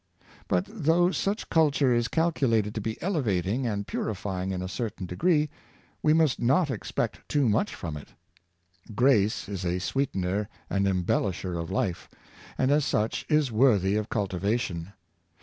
But though such culture is calculated to be elevating and purifying in a certain degree, we must not expect too much from it. Grace is a sweetener and embel isher of life, and as such is worthy of cultivation.